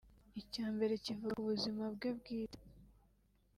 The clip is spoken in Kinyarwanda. Icya mbere kivuga ku buzima bwe bwite